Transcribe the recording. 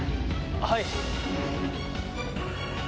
はい。